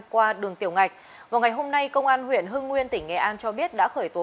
qua đường tiểu ngạch vào ngày hôm nay công an huyện hưng nguyên tỉnh nghệ an cho biết đã khởi tố